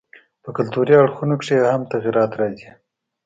په کلتوري اړخونو کښي ئې هم تغيرات راځي.